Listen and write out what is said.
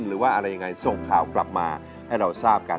หรือว่าอะไรยังไงส่งข่าวกลับมาให้เราทราบกัน